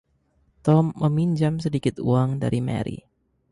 Tom meminjam sedikit uang dari Mary.